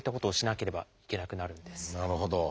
なるほど。